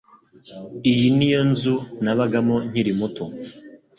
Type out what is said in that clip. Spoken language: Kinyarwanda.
Iyi niyo nzu nabagamo nkiri muto.